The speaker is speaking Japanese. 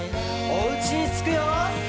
おうちにつくよ。